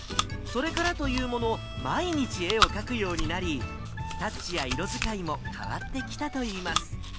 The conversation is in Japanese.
それからというもの、毎日絵を描くようになり、タッチや色使いも変わってきたといいます。